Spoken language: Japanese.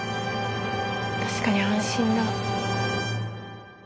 確かに安心だ。